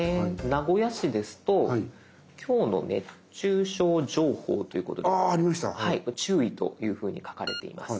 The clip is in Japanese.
名古屋市ですと「きょうの熱中症情報」ということで注意というふうに書かれています。